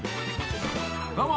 どうも。